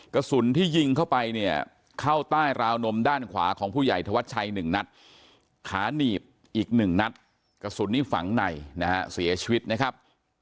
กระสุนที่ยิงเข้าไปเนี่ยเข้าใต้ราวนมด้านขวาของผู้ใหญ่ธวัชชัย๑นัดขาหนีบอีก๑นัดกระสุนนี้ฝังในนะฮะเสียชีวิตนะครับ